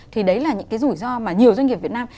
thì đấy là những cái rủi ro mà nhiều doanh nghiệp việt nam